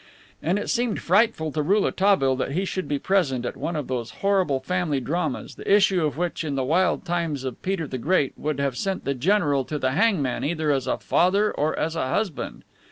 And it seemed frightful to Rouletabille that he should be present at one of those horrible family dramas the issue of which in the wild times of Peter the Great would have sent the general to the hangman either as a father or as a husband.